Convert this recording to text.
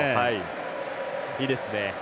いいですね。